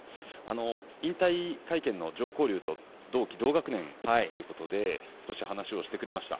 引退会見の常幸龍と同期同学年ということで少し話をしてくれました。